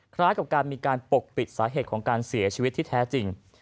คล้ายกับการมีการปกปิดสาเหตุของการเสียชีวิตที่แท้จริง